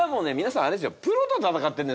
あれですよ